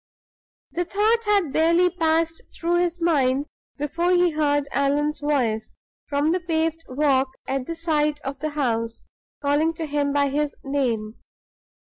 The thought had barely passed through his mind before he heard Allan's voice, from the paved walk at the side of the house, calling to him by his name.